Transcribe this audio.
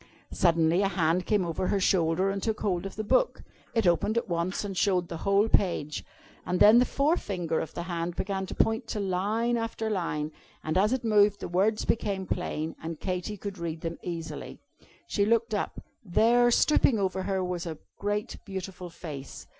Suddenly a hand came over her shoulder and took hold of the book. It opened at once, and showed the whole page. And then the forefinger of the hand began to point to line after line, and as it moved the words became plain, and Katy could read them easily. She looked up. There, stooping over her, was a great beautiful Face.